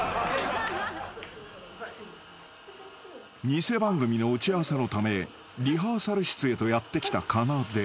［偽番組の打ち合わせのためリハーサル室へとやって来たかなで］